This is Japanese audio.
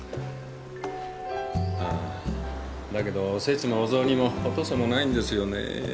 あだけどおせちもお雑煮もおとそもないんですよね。